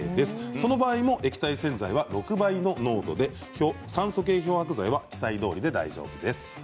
その場合も液体洗剤は６倍の濃度で酸素系漂白剤は記載どおりで大丈夫です。